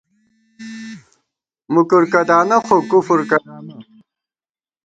مُکُر کدانہ خو کُفر کدانہ